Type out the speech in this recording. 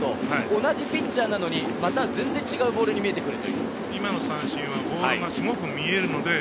同じピッチャーなのに全然違うボールに見えてくる。